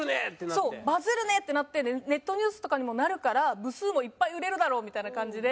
そうバズるね！ってなってネットニュースとかにもなるから部数もいっぱい売れるだろうみたいな感じで。